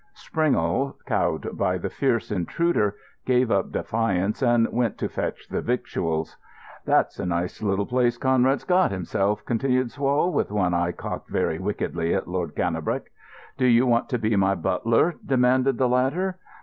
Springle, cowed by the fierce intruder, gave up defiance and went to fetch the victuals. "That's a nice little place Conrad's got himself," continued Swall, with one eye cocked very wickedly at Lord Cannebrake. "Do you want to be my butler?" demanded the latter.